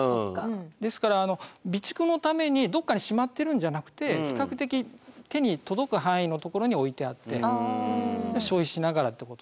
ですから備蓄のためにどっかにしまってるんじゃなくて比較的手に届く範囲のところに置いてあって消費しながらってことなんです。